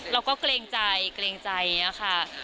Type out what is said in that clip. เราก็เกรงใจอย่างนี้ค่ะ